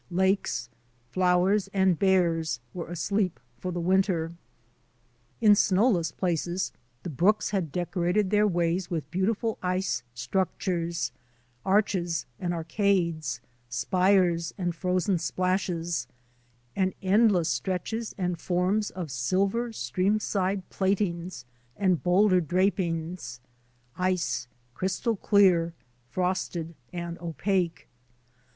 Lakes, flowers, and bears were asleep for the winter. In snowless places the brooks had decorated their ways with beautiful ice structures — arches and arcades, spires and frozen splashes, and end less stretches and forms of silver streamside plat ings and boulder drapings; ice, crystal clear, frosted and opaque.